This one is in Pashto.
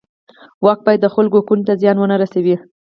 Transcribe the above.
واک باید د خلکو حقونو ته زیان ونه رسوي.